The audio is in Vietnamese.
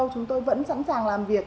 chúng tôi vẫn sẵn sàng làm việc